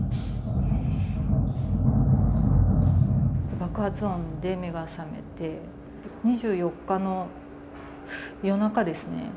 爆発音で目が覚めて、２４日の夜中ですね。